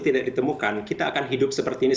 tidak ditemukan kita akan hidup seperti ini